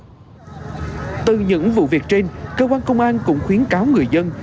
từ những vụ việc trên cơ quan công an cũng khuyến cáo người dân